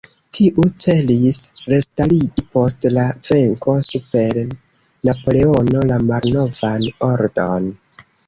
Tiu celis restarigi post la venko super Napoleono la malnovan ordon.